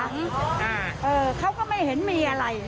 เออเขาก็ไม่เห็นมีอะไรเลย